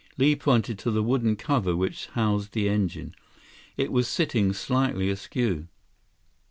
Li pointed to the wooden cover which housed the engine. It was sitting slightly askew.